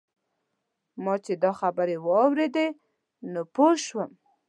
ما چې دا خبرې واورېدې نو پوی شوم.